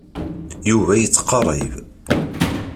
Yuba yettqerrib.